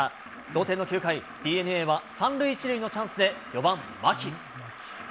同点の９回、ＤｅＮＡは３塁１塁のチャンスで４番牧。